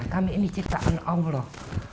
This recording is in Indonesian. kami ini ciptaan allah